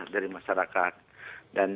dari masyarakat dan